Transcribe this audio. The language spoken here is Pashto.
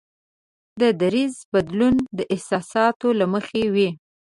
د دریځ بدلول د احساساتو له مخې وي.